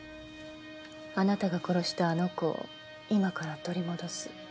あなたが殺したあの子を今から取り戻す。